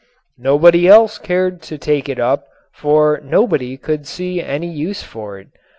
Nobody else cared to take it up, for nobody could see any use for it.